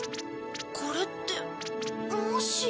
これってもしや。